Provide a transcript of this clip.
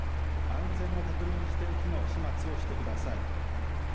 安全を確認して火の始末をしてください。